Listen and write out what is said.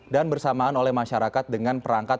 dan bersamaan oleh masyarakat dengan perangkat